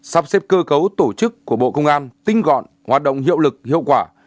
sắp xếp cơ cấu tổ chức của bộ công an tinh gọn hoạt động hiệu lực hiệu quả